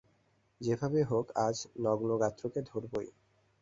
যেভাবেই হোক, আজ নগ্নগাত্রকে ধরবই।